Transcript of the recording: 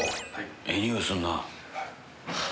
ええ匂いすんなぁ。